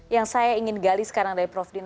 yang saya ingin gali sekarang dari prof dina